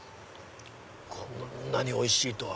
こんなにおいしいとは。